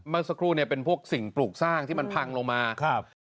เมื่อสักครู่เนี่ยเป็นพวกสิ่งปลูกสร้างที่มันพังลงมาครับ